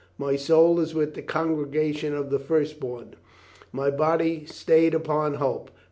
My soul is with the Congregation of the Firstborn, my body is stayed upon hope.